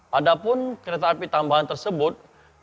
padahal kereta api tambahan tersebut